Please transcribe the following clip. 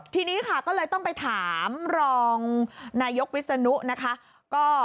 ทีนี้ค่ะก็เลยต้องไปถามรองนายกวิศนุนะคะ